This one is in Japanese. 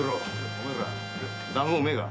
おめえらだんごうめえか？